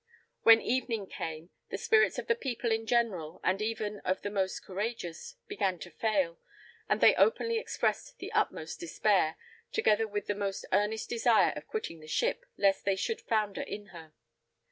When evening came, the spirits of the people in general, and even of the most courageous, began to fail, and they openly expressed the utmost despair, together with the most earnest desire of quitting the ship, lest they should founder in her.